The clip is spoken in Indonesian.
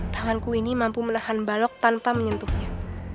tanganku ini mampu menahan balok tanpa menyentuhnya